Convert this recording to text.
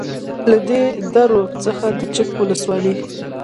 . له دې درو څخه د چک ولسوالۍ